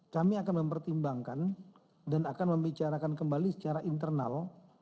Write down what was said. kami akan mempertimbangkan dan akan membicarakan kembali secara internal